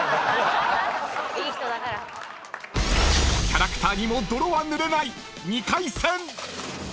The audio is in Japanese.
［キャラクターにも泥は塗れない］